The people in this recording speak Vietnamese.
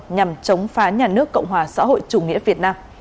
nhằm chống phá nhà nước cộng hòa xã hội chủ nghĩa việt nam